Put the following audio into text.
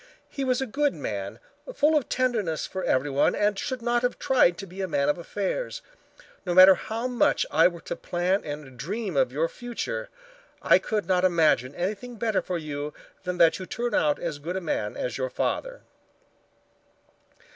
"He was a good man, full of tenderness for everyone, and should not have tried to be a man of affairs. No matter how much I were to plan and dream of your future, I could not imagine anything better for you than that you turn out as good a man as your father."